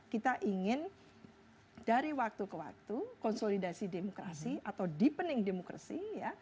kita ingin dari waktu ke waktu konsolidasi demokrasi atau deepening demokrasi